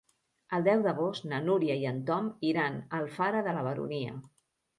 El deu d'agost na Núria i en Tom iran a Alfara de la Baronia.